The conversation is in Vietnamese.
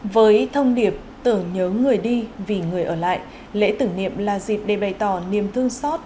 với thông điệp tưởng nhớ người đi vì người ở lại lễ tưởng niệm là dịp để bày tỏ niềm thương xót